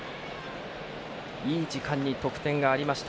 いい時間に得点がありました。